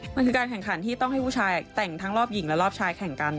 มันคือการแข่งขันที่ต้องให้ผู้ชายแต่งทั้งรอบหญิงและรอบชายแข่งกัน